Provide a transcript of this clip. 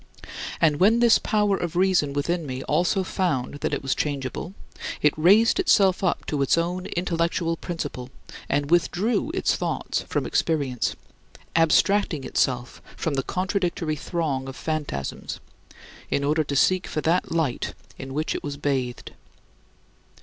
And when this power of reason within me also found that it was changeable, it raised itself up to its own intellectual principle, and withdrew its thoughts from experience, abstracting itself from the contradictory throng of fantasms in order to seek for that light in which it was bathed.